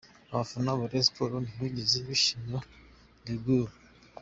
Abafana ba Rayon Sports ntibigeze bishimira Degaulle.